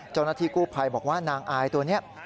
เจ้าหน้าที่กู้ภัยบอกว่านางอายตัวนี้